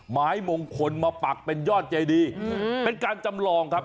ไม้มงคลมาปักเป็นยอดเจดีเป็นการจำลองครับ